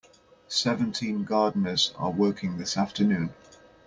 Seventeen gardeners are working this afternoon.